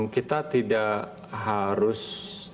kita tidak harus